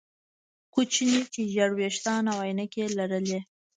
کوچنی چې ژیړ ویښتان او عینکې یې لرلې